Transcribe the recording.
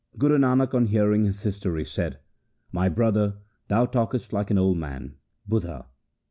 Guru Nanak on hearing his history said, ' My brother, thou talkest like an old man (budha).